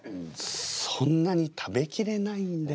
そんなに食べきれないんで。